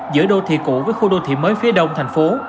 giữa đô thị cũ với khu đô thị mới phía đông thành phố